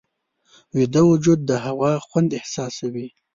ویده وجود د هوا خوند احساسوي